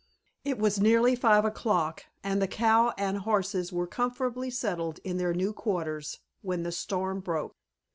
It was nearly five o'clock, and the cow and horses were comfortably settled in their new quarters, when the storm broke.